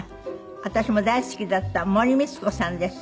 私も大好きだった森光子さんです。